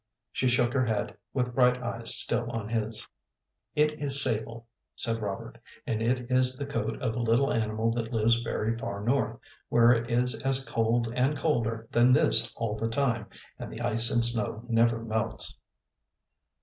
She shook her head, with bright eyes still on his. "It is sable," said Robert, "and it is the coat of a little animal that lives very far north, where it is as cold and colder than this all the time, and the ice and snow never melts."